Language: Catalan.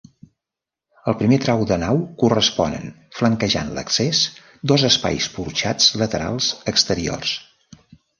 Al primer tram de nau corresponen, flanquejant l'accés, dos espais porxats laterals exteriors.